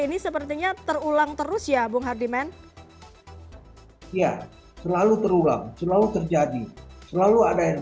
ini sepertinya terulang terus ya bung hardiman ya selalu terulang selalu terjadi selalu ada yang